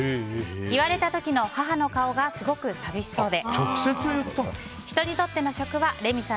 言われた時の母の顔がすごく寂しそうで。